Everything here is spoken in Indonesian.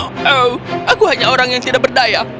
oh aku hanya orang yang tidak berdaya